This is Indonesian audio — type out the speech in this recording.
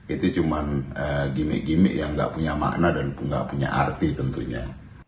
itu cuma gimmick gimmick yang gak punya makna dan nggak punya arti tentunya